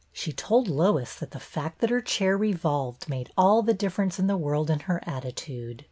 She told Lois that the fact that her chair revolved made all the difference in the world in her attitude.